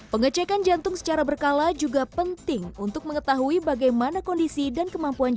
pengecekan jantung secara berkala juga penting untuk mengetahui bagaimana kondisi dan kemampuan jantung